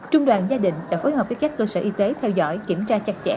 trung đoàn gia đình đã phối hợp với các cơ sở y tế theo dõi kiểm tra chặt chẽ